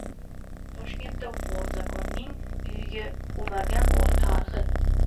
Toshkentda «vor zakon»ning uyini o‘margan o‘g‘ri tarixi